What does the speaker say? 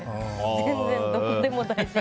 全然、どこでも大丈夫。